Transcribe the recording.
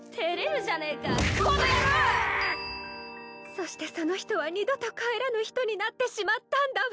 そしてその人は二度と帰らぬ人になってしまったんだわ。